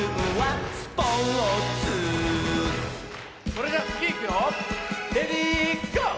それじゃつぎいくよレディーゴー！